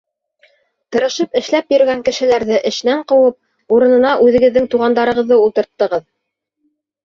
Тырышып эшләп йөрөгән кешеләрҙе эшенән ҡыуып, урынына үҙегеҙҙең туғандарығыҙҙы ултырттығыҙ.